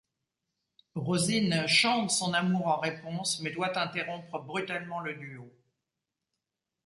Rosine chante son amour en réponse, mais doit interrompre brutalement le duo.